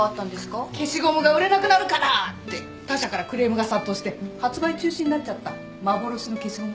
消しゴムが売れなくなるからって他社からクレームが殺到して発売中止になっちゃった幻の消しゴム。